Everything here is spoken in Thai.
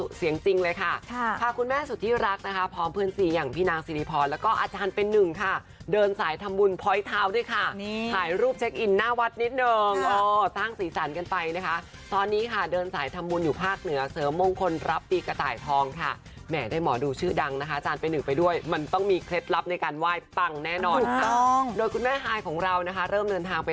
ตัวจริงเสียงจริงเลยค่ะค่ะคุณแม่สุธิรักษ์นะคะพร้อมเพื่อนสีอย่างพี่นางสิริพรแล้วก็อาจารย์เป็นหนึ่งค่ะเดินสายทำบุญพล้อยเท้าด้วยค่ะถ่ายรูปเช็คอินหน้าวัดนิดหนึ่งตั้งสีสันกันไปนะคะตอนนี้ค่ะเดินสายทำบุญอยู่ภาคเหนือเสริมมงคลรับตีกระต่ายทองค่ะแหมได้หมอดูชื่อดังนะคะอาจารย์เป็นหนึ่งไป